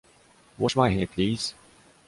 Wash my hair, please.